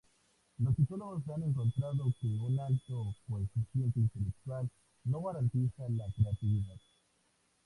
Los psicólogos han encontrado que un alto coeficiente intelectual no garantiza la creatividad.